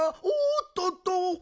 おっとっと。